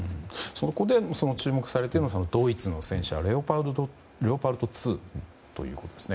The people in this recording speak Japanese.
そこで注目されるのがドイツの戦車レオパルト２ということですね。